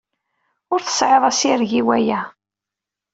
Ur tesɛiḍ asireg i waya.